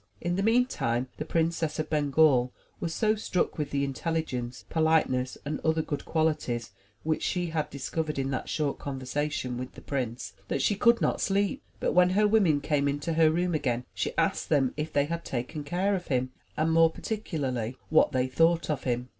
In the meantime the Princess of Bengal was so struck with the intelligence, politeness, and other good qualities which she had discovered in that short conversation with the 45 MY BOOK HOUSE prince, that she could not sleep, but when her women came into her room again, she asked them if they had taken care of him, and more particularly what they thought of him.